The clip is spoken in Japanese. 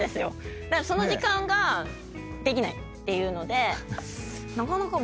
その時間ができないっていうので。